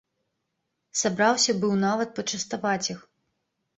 Сабраўся быў нават пачаставаць іх.